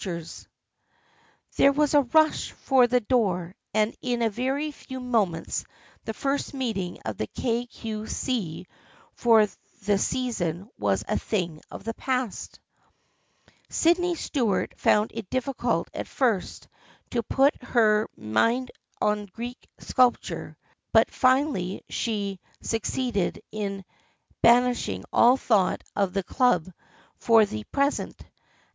THE FRIENDSHIP OF ANNE 61 There was a rush for the door, and in a very few moments the first meeting of the Kay Cue See for the season was a thing of the past. Sydney Stuart found it difficult at first to put her mind on Greek sculpture, but finally she suc ceeded in banishing all thought of the club for the present.